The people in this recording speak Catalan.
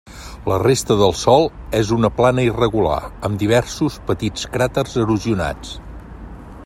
La resta del sòl és una plana irregular, amb diversos petits cràters erosionats.